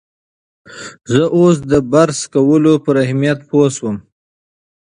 زه اوس د برس کولو پر اهمیت پوه شوم.